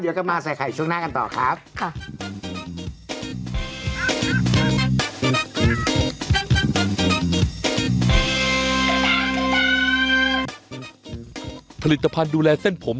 เดี๋ยวกลับมาใส่ไข่ช่วงหน้ากันต่อครับ